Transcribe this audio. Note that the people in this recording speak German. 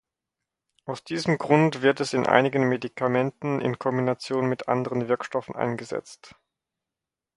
Aus diesem Grund wird es in einigen Medikamenten in Kombination mit anderen Wirkstoffen eingesetzt.